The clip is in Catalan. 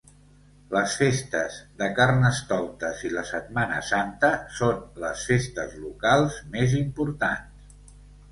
Les festes de Carnestoltes i la Setmana Santa són les festes locals més importants.